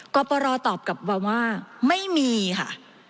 กปรตอบว่าว่าไม่มีค่ะ